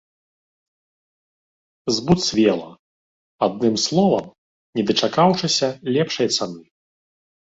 Збуцвела, адным словам, не дачакаўшыся лепшай цаны.